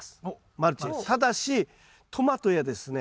ただしトマトやですね